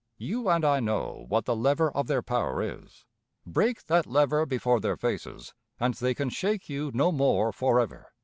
You and I know what the lever of their power is. Break that lever before their faces, and they can shake you no more for ever."